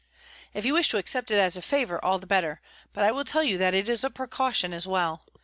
"If you wish to accept it as a favor, all the better, but I will tell you that it is precaution as well.